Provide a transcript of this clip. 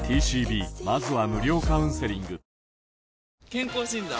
健康診断？